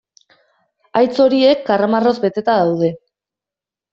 Haitz horiek karramarroz beteta daude.